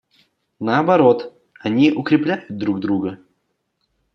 Наоборот, они укрепляют друг друга.